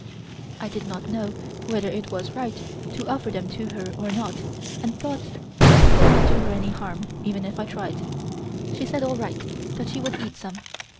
I did not know whether it was right to offer them to her or not and thought I could not do her any harm, even if I tried. She said all right, that she would eat some.